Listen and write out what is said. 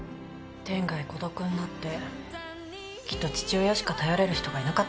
天涯孤独になってきっと父親しか頼れる人がいなかったんだろうね。